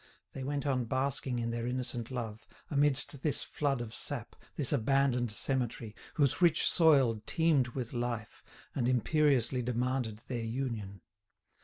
They went on basking in their innocent love, amidst this flood of sap, this abandoned cemetery, whose rich soil teemed with life, and imperiously demanded their union.